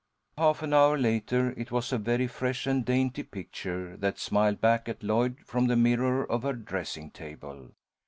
Half an hour later it was a very fresh and dainty picture that smiled back at Lloyd from the mirror of her dressing table.